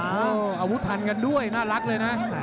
อาวุธทันกันด้วยน่ารักเลยนะ